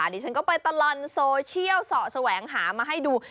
ดิฉันก็ไปตลอดโซเชียลเสาะแสวงหามาให้ดู